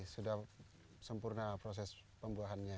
sudah sempurna proses pembuahannya